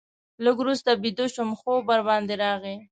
لږ وروسته بیده شوم، خوب ورباندې راغی.